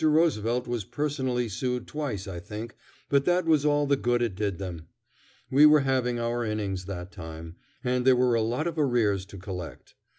Roosevelt was personally sued twice, I think, but that was all the good it did them. We were having our innings that time, and there were a lot of arrears to collect.